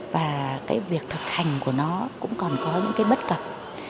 và cái việc thực hành của nó cũng còn có những cái bất cập